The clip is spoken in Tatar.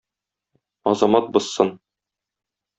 Азамат бозсын